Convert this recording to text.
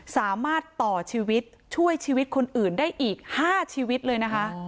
สามารถต่อชีวิตช่วยชีวิตคนอื่นได้อีก๕ชีวิตเลยนะคะ